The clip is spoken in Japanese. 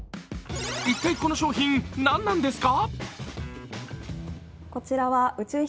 一体この商品、何なんですか？